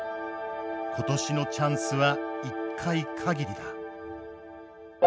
今年のチャンスは一回かぎりだ。